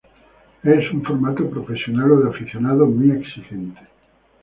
Es un formato profesional o de aficionado muy exigente.